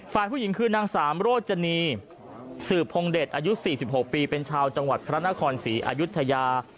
ฝ่ายผู้หญิงคือนางสามโรจนีสืบพงเดชอายุ๔๖ปีเป็นชาวจังหวัดพระนครศรีอายุทยา